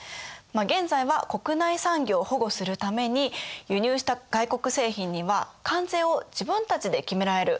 現在は国内産業を保護するために輸入した外国製品には関税を自分たちで決められる。